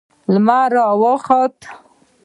لمر راوخوت